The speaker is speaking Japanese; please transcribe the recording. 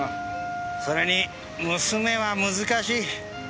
それに娘は難しい。